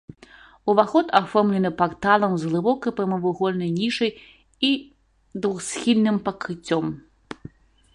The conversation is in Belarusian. Уваход аформлены парталам з глыбокай прамавугольнай нішай і двухсхільным пакрыццём.